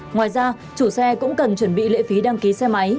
ngoài ra chủ xe cũng cần chuẩn bị lễ phí đăng ký xe máy